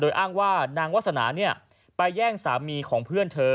อ้างว่านางวาสนาไปแย่งสามีของเพื่อนเธอ